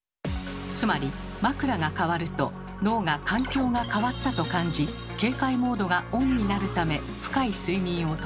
つまり枕がかわると脳が「環境が変わった」と感じ警戒モードがオンになるため深い睡眠を取れないのです。